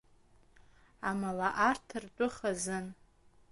Амала арҭ ртәы хазын.